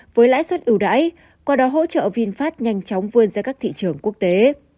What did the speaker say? với lãi suất ưu đãi qua đó hỗ trợ vinfast nhanh chóng vươn ra các thị trường quốc tế